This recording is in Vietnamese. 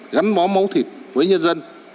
gắn bó máu thịt với nhân dân